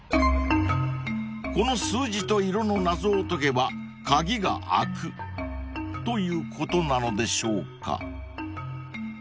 ［この数字と色の謎を解けば鍵が開くということなのでしょうか？］